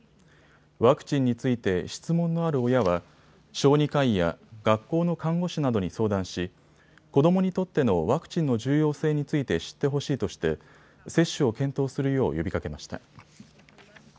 ワクチンについて質問のある親は小児科医や学校の看護師などに相談し、子どもにとってのワクチンの重要性について知ってほしいとして接種を検討するよう呼びかけました。